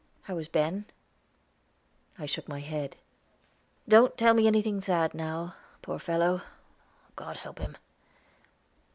How is Ben?" I shook my head. "Don't tell me anything sad now. Poor fellow! God help him."